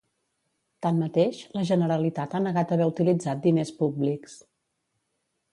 Tanmateix, la Generalitat ha negat haver utilitzat diners públics.